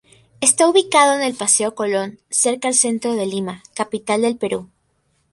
Está ubicado en el Paseo Colón cerca al centro de Lima, capital del Perú.